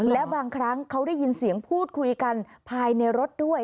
แล้วบางครั้งเขาได้ยินเสียงพูดคุยกันภายในรถด้วย